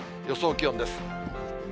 予想気温です。